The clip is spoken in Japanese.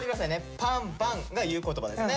「パンッパンッ」が言う言葉ですね。